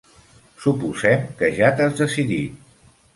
Suposem que ja t'has decidit.